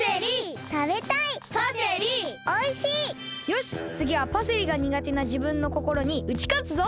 よしつぎはパセリがにがてなじぶんのこころにうちかつぞ！